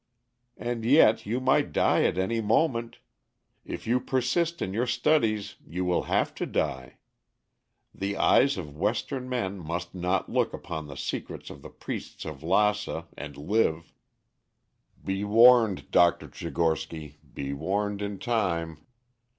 "And yet you might die at any moment. If you persist in your studies you will have to die. The eyes of Western men must not look upon the secrets of the priests of Lassa and live. Be warned, Dr. Tchigorsky, be warned in time.